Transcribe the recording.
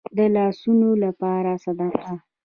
د لاسونو لپاره صدقه.